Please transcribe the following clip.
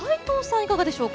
いかがでしょうか？